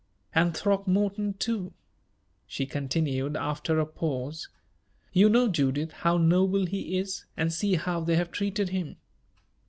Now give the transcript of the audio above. "And Throckmorton, too," she continued, after a pause, "you know, Judith, how noble he is and see how they have treated him!"